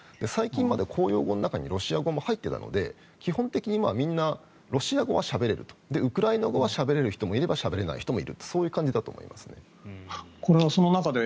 最近まで公用語の中にロシア語も入っていたので基本的にみんな、ロシア語はしゃべれるウクライナ語はしゃべれる人もいればしゃべれない人もいるというそういう感じです。